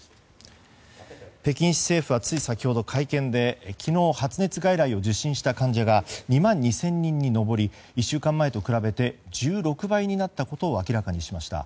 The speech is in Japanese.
北京市政府は、つい先ほど会見で昨日、発熱外来を受診した患者が２万２０００人に上り１週間前と比べて１６倍になったことを明らかにしました。